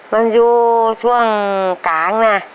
มันอยู่ช่วงกลางนะ